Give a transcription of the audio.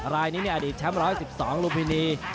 รายนี้อดีตแชมป์๑๑๒ลุมพินี